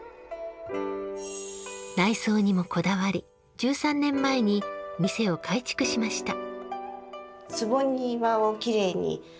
内装にもこだわり１３年前に店を改築しました。